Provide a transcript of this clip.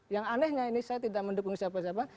yang anehnya ini saya tidak mendukung siapa siapa